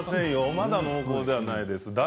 まだ濃厚ではないです。